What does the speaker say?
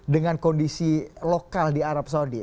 dengan kondisi lokal di arab saudi